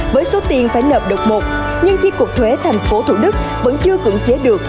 với số tiền phải nợ được một nhưng chiếc cuộc thuế tp thd vẫn chưa cưỡng chế được